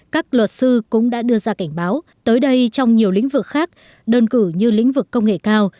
các luật sư cũng đã đưa ra cảnh báo tới đây trong nhiều lĩnh vực khác đơn cử như lĩnh vực công nghệ cao